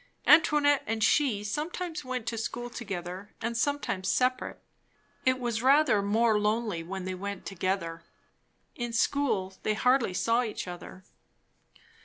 Antoinette and she sometimes went to school together and sometimes separate; it was rather more lonely when they went together. In school they hardly saw each other.